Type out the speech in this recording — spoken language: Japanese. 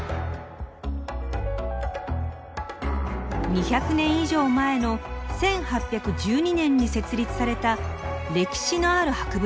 ２００年以上前の１８１２年に設立された歴史のある博物館です。